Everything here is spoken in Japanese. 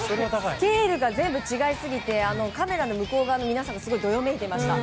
スケールが全部違いすぎてカメラの向こう側の皆さんもどよめいていました。